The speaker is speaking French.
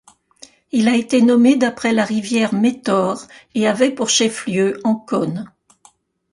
Il a été nommé d'après la rivière Métaure, et avait pour chef-lieu Ancône.